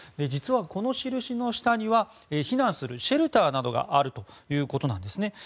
実はこの印の下には避難するシェルターなどがあるということです。